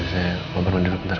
biar saya kabar kabar dulu bentar